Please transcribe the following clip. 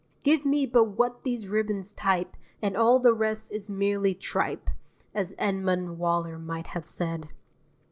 Give me but what these ribbons type and all the rest is merely tripe, as Edmund Waller might have said.